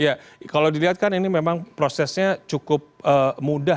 iya kalau dilihat kan ini memang prosesnya cukup mudah ya yang dilakukan oleh pelaku